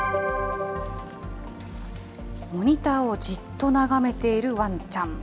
モニターをじっと眺めているワンちゃん。